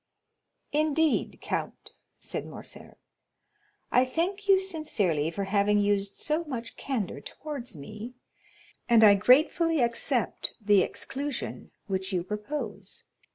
"Indeed, count," said Morcerf, "I thank you sincerely for having used so much candor towards me, and I gratefully accept the exclusion which you propose.